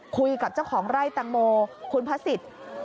คุยกับเจ้าของไร่แตงโมคุณพระสิทธิ์